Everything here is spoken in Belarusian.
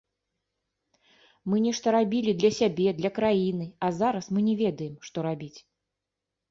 Мы нешта рабілі для сябе, для краіны, а зараз мы не ведаем, што рабіць.